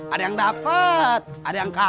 ada yang dapet ada yang kagak